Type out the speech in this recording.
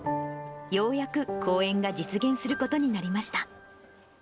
ようやく公演が実現することになりました。